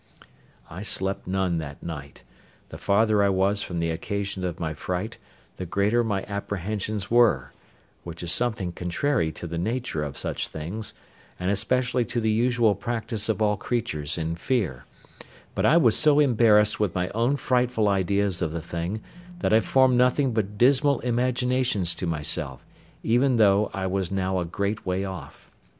I slept none that night; the farther I was from the occasion of my fright, the greater my apprehensions were, which is something contrary to the nature of such things, and especially to the usual practice of all creatures in fear; but I was so embarrassed with my own frightful ideas of the thing, that I formed nothing but dismal imaginations to myself, even though I was now a great way off.